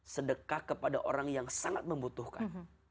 sedekah kepada orang yang sangat membutuhkan